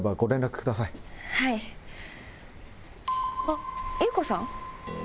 あっ優子さん。